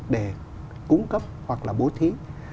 để bố thí